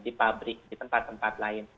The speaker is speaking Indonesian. di pabrik di tempat tempat lain